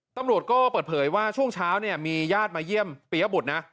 ตำรวจก็เปิดเผยว่าช่วงเช้าเนี่ยมีญาติมาเยี่ยมปียบุตรนะ